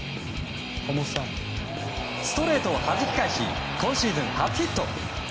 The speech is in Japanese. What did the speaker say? ストレートをはじき返し今シーズン初ヒット！